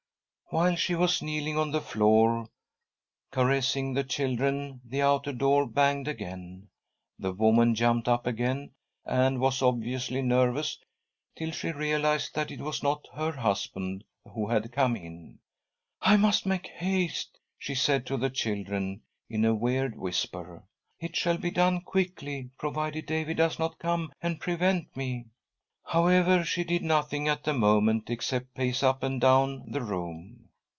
While she was kneeling on the floor, caressing the children, the outer door banged again. The woman jumped up again and was obviously nervous till she realised that it was not her husband who had ■ MM ■'. I ■ 174 THY SOUL SHALL BEAR WITNESS! come in. " I must make haste," she said to the children, in a weird whisper. " It shall be done quickly, provided David does not come and prevent me. However, she did nothing at the moment except pace up and down the room.